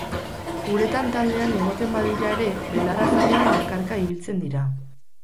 Uretan taldean egoten badira ere, belarra jatean bakarka ibiltzen dira.